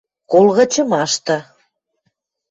Кол кычымашты